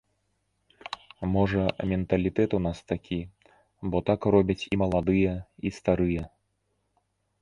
Можа, менталітэт у нас такі, бо так робяць і маладыя, і старыя.